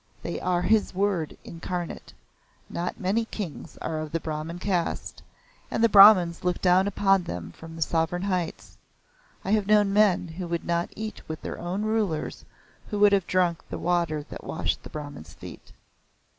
They are His word incarnate. Not many kings are of the Brahman caste, and the Brahmans look down upon them from Sovereign heights. I have known men who would not eat with their own rulers who would have drunk the water that washed the Brahmans' feet."